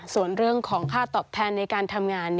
ส่วนเรื่องของค่าตอบแทนในการทำงาน